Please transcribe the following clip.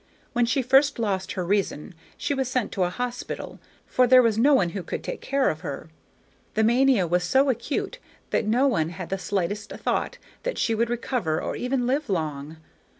When she first lost her reason she was sent to a hospital, for there was no one who could take care of her. The mania was so acute that no one had the slightest thought that she would recover or even live long.